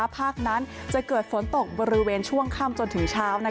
ภาคนั้นจะเกิดฝนตกบริเวณช่วงค่ำจนถึงเช้า